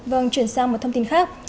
vâng chuyển sang một thông tin khác